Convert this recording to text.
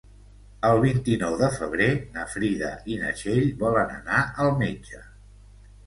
El vint-i-nou de febrer na Frida i na Txell volen anar al metge.